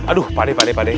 aduh pak adi pak adi